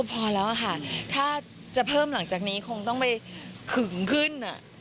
พอแล้วค่ะถ้าจะเพิ่มหลังจากนี้คงต้องไปขึงขึ้น